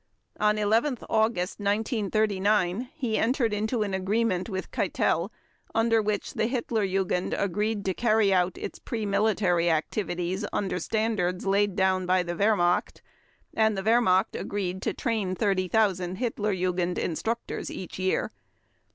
On 11 August 1939 he entered into an agreement with Keitel under which the Hitler Jugend agreed to carry out its pre military activities under standards laid down by the Wehrmacht and the Wehrmacht agreed to train 30,000 Hitler Jugend instructors each year.